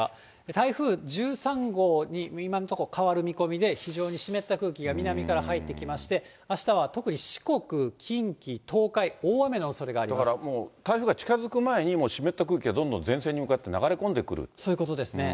台風１３号に今のところ、変わる見込みで、非常に湿った空気が南から入ってきまして、あしたは特に四国、近畿、東海、だからもう、台風が近づく前にもう湿った空気がどんどん前線に向かって流れ込そういうことですね。